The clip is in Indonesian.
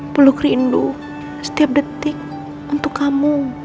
peluk rindu setiap detik untuk kamu